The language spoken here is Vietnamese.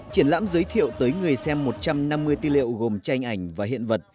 triển lãm giới thiệu tới người xem một trăm năm mươi tư liệu gồm tranh ảnh và hiện vật